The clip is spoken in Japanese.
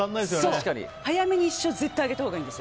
早めに１勝絶対挙げたほうがいいです。